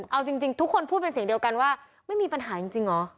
เอาจริงทุกคนพูดเป็นเสียงเดียวกันว่าไม่มีปัญหาจริงเหรอ